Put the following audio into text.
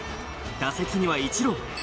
打席にはイチロー。